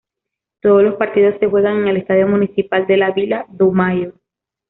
Todos los partidos se juegan en el estadio municipal de la Vila do Maio.